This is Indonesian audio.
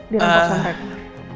dirampok sama mereka